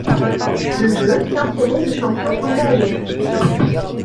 Le jeu tient son nom du champion Andre Agassi.